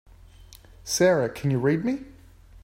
Sara can you read me?